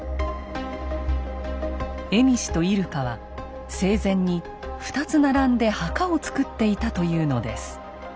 蝦夷と入鹿は生前に２つ並んで墓をつくっていたというのです。